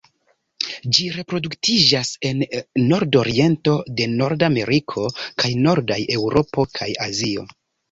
Ĝi reproduktiĝas en nordoriento de Norda Ameriko, kaj nordaj Eŭropo kaj Azio.